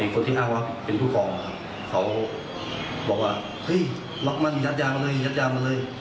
คนที่อ้างว่าเป็นผู้กองเขาบอกว่าเฮ้ยล็อกมันยัดยางมาเลยยัดยามาเลย